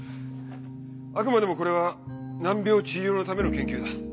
あくまでもこれは難病治療のための研究だ。